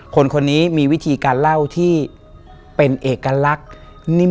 คนนี้มีวิธีการเล่าที่เป็นเอกลักษณ์นิ่ม